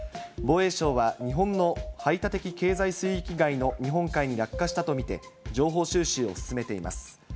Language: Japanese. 防衛省は日本の排他的経済水域外の日本海に落下したと見て、情報収集を進めています。